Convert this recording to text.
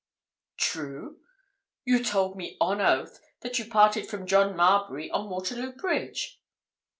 "True? You told me, on oath, that you parted from John Marbury on Waterloo Bridge!"